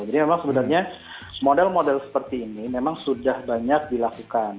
jadi memang sebenarnya model model seperti ini memang sudah banyak dilakukan